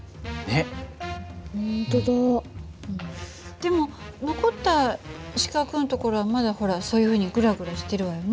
でも残った四角のところはまだほらそういうふうにグラグラしてるわよね。